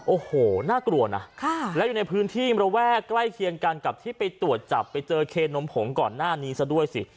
โอ้โหน่ากลัวนะแล้วอยู่ในพื้นที่ระแวกใกล้เคียงกันกับที่ไปตรวจจับไปเจอเคนมผงก่อนหน้านี้ซะด้วยสิ